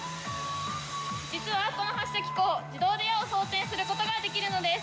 実はこの発射機構自動を想定することができるのです。